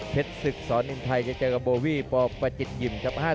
เพจศึกสวรรค์นิ่มไทยเอามาเจอกับโบวี่ปีปจิตยึมครับ